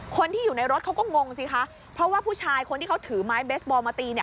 คนที่อยู่ในรถเขาก็งงสิคะเพราะว่าผู้ชายคนที่เขาถือไม้เบสบอลมาตีเนี่ย